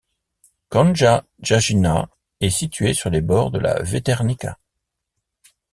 Gornja Jajina est située sur les bords de la Veternica.